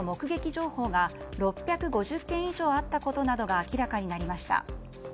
情報が６５０件以上あったことなどが明らかになりました。